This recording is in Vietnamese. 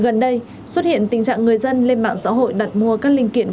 gần đây xuất hiện tình trạng người dân lên mạng xã hội đặt mua các linh kiện